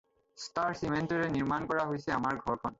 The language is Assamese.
ষ্টাৰ চিমেণ্টেৰে নিৰ্মাণ হৈছে আমাৰ ঘৰখন।